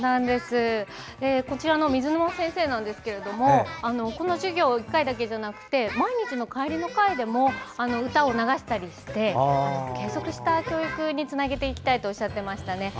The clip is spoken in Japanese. こちらの水沼先生なんですけどこの授業だけではなくて毎日の帰りの会などでも歌を流したりして継続的した教育につなげていきたいとおっしゃっていました。